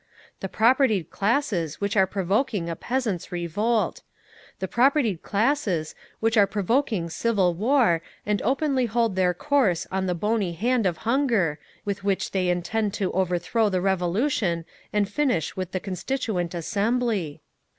The propertied classes, which are provoking a peasants' revolt! The propertied classes, which are provoking civil war, and openly hold their course on the bony hand of hunger, with which they intend to overthrow the Revolution and finish with the Constituent Assembly!